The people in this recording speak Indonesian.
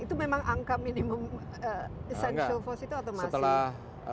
itu memang angka minimum essential force itu atau masih